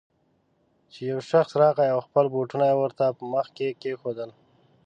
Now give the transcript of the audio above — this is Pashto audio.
چې يو شخص راغی او خپل بوټونه يې ورته په مخ کې کېښودل.